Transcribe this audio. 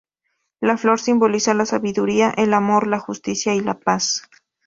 La flor simboliza la sabiduría, el amor, la justicia y la paz.